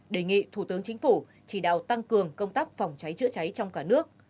đề nghị thủ tướng chính phủ chỉ đạo tăng cường công tác phòng cháy chữa cháy trong cả nước